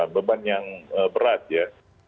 beban yang berat ya